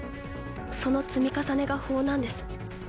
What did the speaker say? その積み重ねが法なんです」